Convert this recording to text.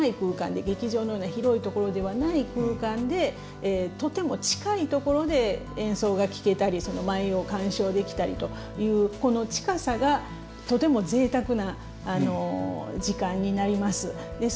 劇場のような広いところではない空間でとても近いところで演奏が聴けたり舞を鑑賞できたりというこの近さがとてもぜいたくな時間になります。